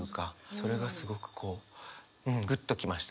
それがすごくこううんグッと来ましたね。